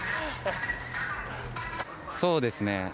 そうですね